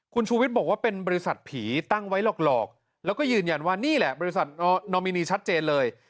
คุณชูวิทย์บอกว่าเป็นบริษัทผีตั้งไว้หลอกแล้วก็ยืนยันว่านี่แหละบริษัทนอมินีชัดเจนเลย